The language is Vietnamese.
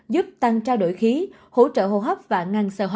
giúp tăng trao đổi khí hỗ trợ hô hấp và ngăn sơ hóa phổi